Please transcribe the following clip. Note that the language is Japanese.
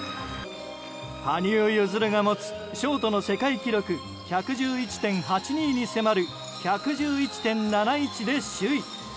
羽生結弦が持つショートの世界記録１１１．８２に迫る１１１．７１で首位。